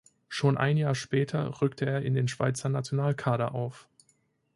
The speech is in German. Schon ein Jahr später rückte er in den Schweizer Nationalkader auf.